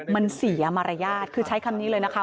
มันเสียมารยาทคือใช้คำนี้เลยนะคะ